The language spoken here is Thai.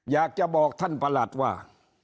อยากจะบอกท่านประหลัดว่า